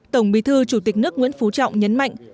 tổng bí thư chủ tịch nước nguyễn phú trọng nhấn mạnh